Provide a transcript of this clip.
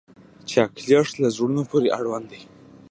چاکلېټ له زړونو پورې اړوند دی.